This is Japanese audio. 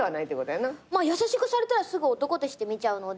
優しくされたらすぐ男として見ちゃうので。